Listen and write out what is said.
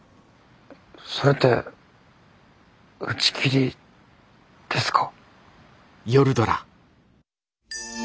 それって打ち切りですか？